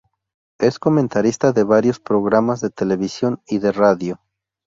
Es comentarista de varios programas de televisión y de radio.